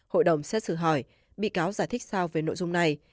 hội đồng xét xử hỏi bị cáo giải thích sao về nội dung này